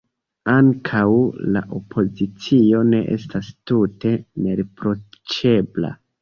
Ankaŭ la opozicio ne estas tute neriproĉebla.